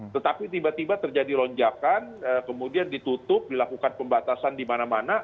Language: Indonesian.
tetapi tiba tiba terjadi lonjakan kemudian ditutup dilakukan pembatasan di mana mana